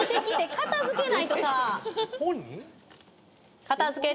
片付けて。